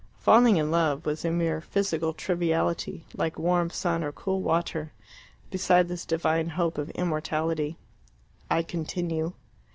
Falling in love was a mere physical triviality, like warm sun or cool water, beside this divine hope of immortality: "I continue."